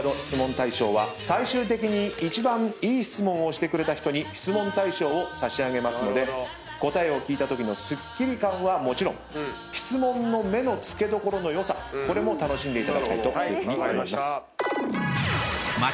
質問大賞は最終的に一番いい質問をしてくれた人に質問大賞を差し上げますので答えを聞いたときのすっきり感はもちろん質問の目の付けどころの良さこれも楽しんでいただきたいというふうに思います。